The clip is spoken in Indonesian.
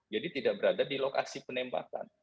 jadi tidak berada di lokasi penembakan